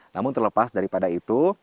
namun terlepas daripada itu